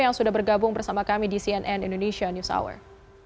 yang sudah bergabung bersama kami di cnn indonesia news hour